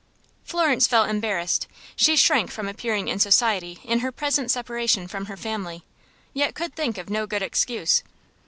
Florence felt embarrassed. She shrank from appearing in society in her present separation from her family, yet could think of no good excuse.